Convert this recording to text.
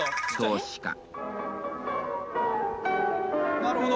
なるほど。